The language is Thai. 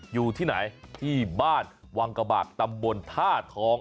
อยู่ที่ไหนที่บ้านวังกระบากตำบลท่าทอง